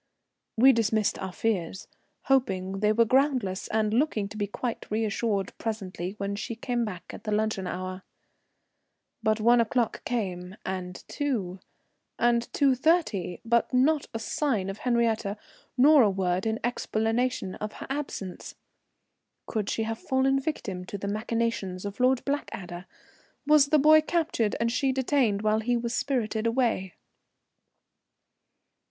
We dismissed our fears, hoping they were groundless, and looking to be quite reassured presently when she came back at the luncheon hour. But one o'clock came, and two, and two thirty, but not a sign of Henriette, nor a word in explanation of her absence. Could she have fallen a victim to the machinations of Lord Blackadder? Was the boy captured and she detained while he was spirited away?